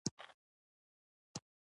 حضرت رسول صلعم ورته وویل.